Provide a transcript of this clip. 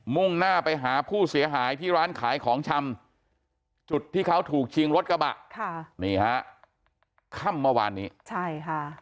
่งหน้าไปหาผู้เสียหายที่ร้านขายของชำจุดที่เขาถูกชิงรถกระบะค่ะนี่ฮะค่ำเมื่อวานนี้ใช่ค่ะ